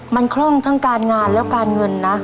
มันคล่องทั้งการงานและการเงินนะ